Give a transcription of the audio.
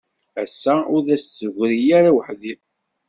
Ass-a ur d as-tegri ara weḥd-i.